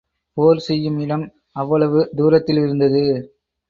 போர் செய்யும் இடம் அவ்வளவு தூரத்தில் இருந்தது.